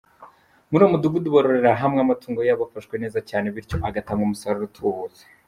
Muri uwo mudugudu bororera hamwe, amatungo yabo afashwe neza cyane bityo agatanga umusaruro utubutse.